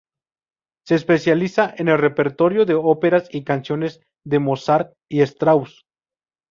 Se especializa en el repertorio de óperas y canciones de Mozart y Strauss.